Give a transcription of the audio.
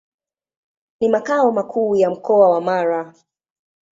Ni makao makuu ya Mkoa wa Mara.